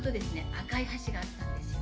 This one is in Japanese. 赤い橋があったんですよ